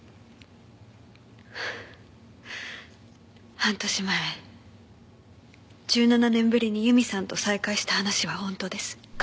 半年前１７年ぶりに由美さんと再会した話は本当です。